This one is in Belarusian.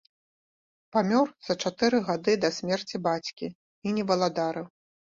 Памёр за чатыры гады да смерці бацькі і не валадарыў.